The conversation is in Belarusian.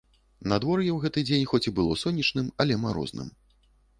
Надвор'е ў гэты дзень у хоць і было сонечным, але марозным.